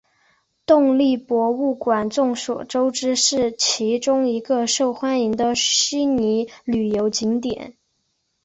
动力博物馆众所周知是其中一个受欢迎的悉尼旅游景点。